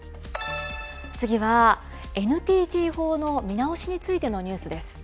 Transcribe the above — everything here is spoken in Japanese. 次はＮＴＴ法の見直しについてのニュースです。